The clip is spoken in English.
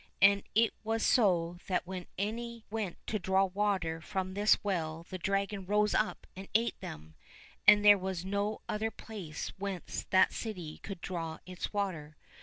And it was so that when any went to draw water from this well the dragon rose up and ate them, and there was no other place whence that city could draw its water.